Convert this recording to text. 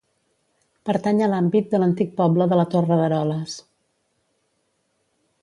Pertany a l'àmbit de l'antic poble de la Torre d'Eroles.